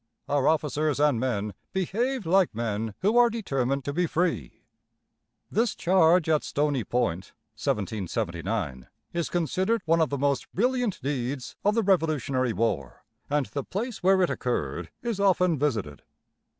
Our officers and men behaved like men who are determined to be free." This charge at Stony Point (1779) is considered one of the most brilliant deeds of the Revolutionary War, and the place where it occurred is often visited.